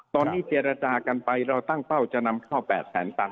ตอนนี้เจรจากันไปเราตั้งเป้าจะนำเข้า๘แสนตัน